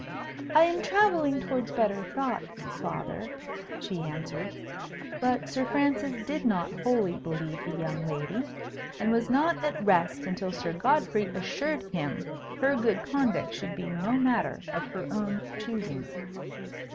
"I am travelling towards better thoughts, Father," she answered. But Sir Francis did not wholly believe the young lady; and was not at rest until Sir Godfrey assured him her good conduct should be no matter of her own choosing.